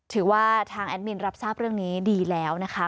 ถือว่าทางแอดมินรับทราบเรื่องนี้ดีแล้วนะคะ